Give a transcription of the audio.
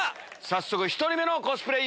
早速１人目のコスプレ